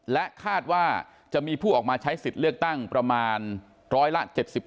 และคาดว่าจะมีผู้ออกมาใช้สิทธิ์เลือกตั้งประมาณร้อยละ๗๘